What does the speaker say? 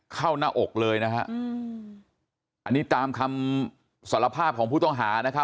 เข้าหน้าอกเลยนะฮะอันนี้ตามคำสารภาพของผู้ต้องหานะครับ